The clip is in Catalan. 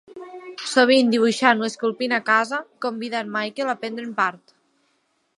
Sovint dibuixant o esculpint a casa, convida a en Michael a prendre'n part.